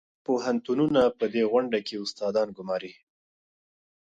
پوهنتونونه په دې غونډه کې استادان ګماري.